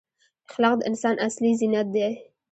اخلاق د انسان اصلي زینت دی.